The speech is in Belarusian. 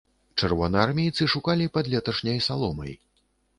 Чырвонаармейцы шукалі пад леташняй саломай.